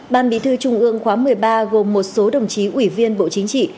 ban bí thư trung ương khóa một mươi ba gồm một số đồng chí ủy viên bộ chính trị